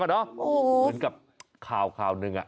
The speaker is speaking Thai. เหมือนกับข่าวหนึ่ง